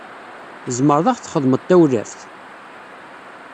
Tzemreḍ ad aɣ-txedmeḍ tawlaft?